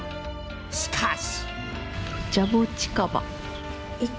しかし。